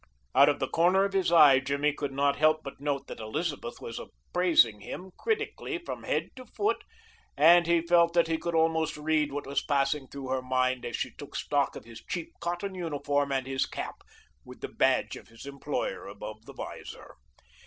Out of the corner of his eye Jimmy could not help but note that Elizabeth was appraising him critically from head to foot and he felt that he could almost read what was passing through her mind as she took stock of his cheap cotton uniform and his cap, with the badge of his employer above the vizor.